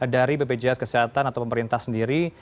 dari bpjs kesehatan atau pemerintah sendiri